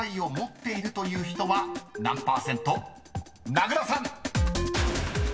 ［名倉さん］